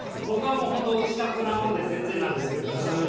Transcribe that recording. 僕はもうホント下っ端なもので全然なんですけど。